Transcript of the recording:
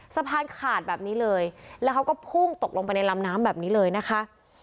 สะพานขาดแบบนี้เลยแล้วเขาก็พุ่งตกลงไปในลำน้ำแบบนี้เลยนะคะ